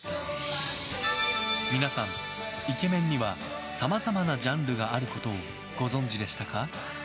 皆さん、イケメンにはさまざまなジャンルがあることをご存じでしたか？